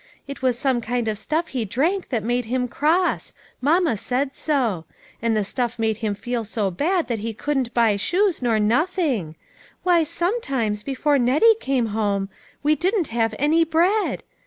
It was some kind of stuff he drank that made him cross ; mamma said so ; and the stuff made him feel so bad that he couldn't buy shoes, nor nothing; why, sometimes, before Nettie came home, we didn't have any bread